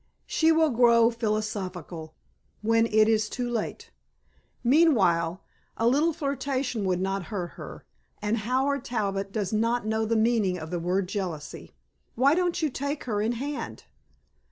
She will grow philosophical when it is too late. Meanwhile a little flirtation would not hurt her and Howard Talbot does not know the meaning of the word jealousy. Why don't you take her in hand?"